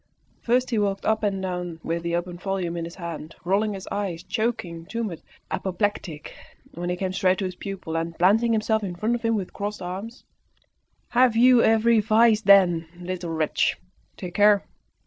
First he walked up and down with the open volume in his hand, rolling his eyes, choking, tumid, apoplectic. Then he came straight to his pupil, and, planting himself in front of him with crossed arms "Have you every vice, then, little wretch? Take care!